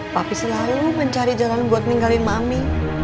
tapi selalu mencari jalan buat tinggalin mami